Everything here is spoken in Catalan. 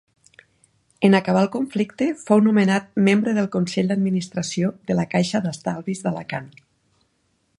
En acabar el conflicte fou nomenat membre del consell d'administració de la Caixa d'Estalvis d'Alacant.